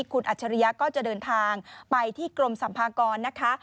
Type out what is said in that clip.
คุณอัจฉริยะก็จะเดินทางไปที่กรมสัมภากรนะคะ